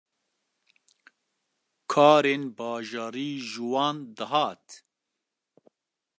karên bajarî ji wan dihat.